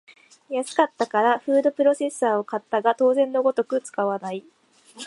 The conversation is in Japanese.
安かったからフードプロセッサーを買ったが当然のごとく使わない